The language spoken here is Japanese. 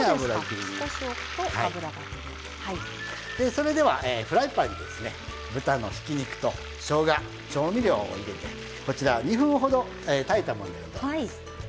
それではフライパンにですね豚のひき肉としょうが調味料を入れてこちら２分ほど炊いたもんでございます。